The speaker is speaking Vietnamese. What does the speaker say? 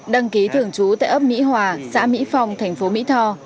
đăng ký thường trú tại ấp mỹ hòa xã mỹ phong thành phố mỹ tho